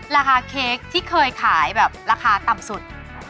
ราคาเค้กที่เคยขายแบบราคาต่ำสุด